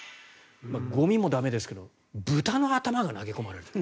ゴミも駄目ですけど豚の頭が投げ込まれたと。